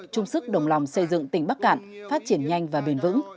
chung sức đồng lòng xây dựng tỉnh bắc cạn phát triển nhanh và bền vững